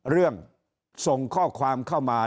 เรื่องส่งข้อความเข้ามา